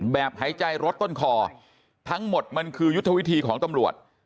หายใจรถต้นคอทั้งหมดมันคือยุทธวิธีของตำรวจ